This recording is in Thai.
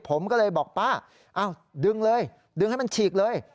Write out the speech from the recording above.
ผมก็เลยบอกป้าดึงเลยดึงให้มันฉีกเลย